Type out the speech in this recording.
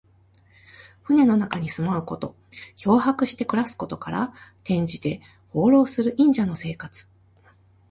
船の中に住まうこと。漂泊して暮らすことから、転じて、放浪する隠者の生活。